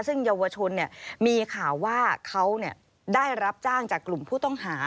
ซึ่งเยาวชนมีข่าวว่าเขาได้รับจ้างจากกลุ่มผู้ต้องหา